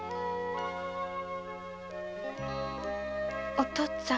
お父っつぁん。